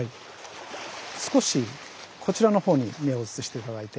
少しこちらのほうに目を移して頂いて。